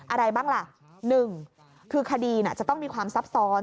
อะไรบ้างล่ะ๑คือคดีจะต้องมีความซับซ้อน